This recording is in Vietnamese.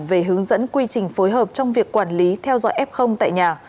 về hướng dẫn quy trình phối hợp trong việc quản lý theo dõi f tại nhà